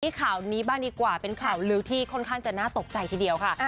ข่าวนี้บ้างดีกว่าเป็นข่าวลือที่ค่อนข้างจะน่าตกใจทีเดียวค่ะ